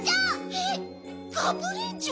えっガブリンチョ？